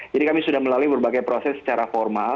jadi kami sudah melalui berbagai proses secara formal